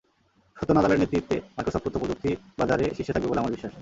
সত্য নাদালের নেতৃত্বে মাইক্রোসফট তথ্যপ্রযুক্তি বাজারে শীর্ষে থাকবে বলে আমার বিশ্বাস।